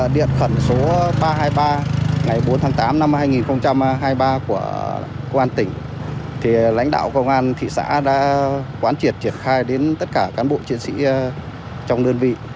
điện khẩn số ba trăm hai mươi ba ngày bốn tháng tám năm hai nghìn hai mươi ba của công an tỉnh lãnh đạo công an thị xã đã quán triệt triển khai đến tất cả cán bộ chiến sĩ trong đơn vị